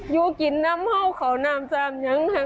อยู่กินน้ำเหาะเขาน้ำซ้ำ